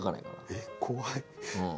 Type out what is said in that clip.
えっ怖い。